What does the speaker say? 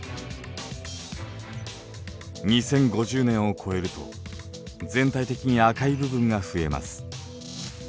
２０５０年を超えると全体的に赤い部分が増えます。